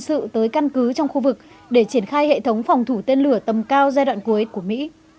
ngoại trưởng và nhân sự tới căn cứ trong khu vực để triển khai hệ thống phòng thủ tên lửa tầm cao giai đoạn cuối của mỹ